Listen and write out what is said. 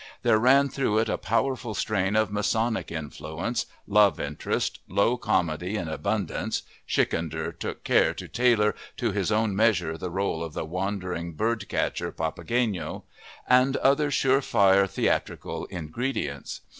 There ran through it a powerful strain of Masonic influence, love interest, low comedy in abundance (Schikaneder took care to tailor to his own measure the role of the wandering bird catcher Papageno), and other surefire theatrical ingredients.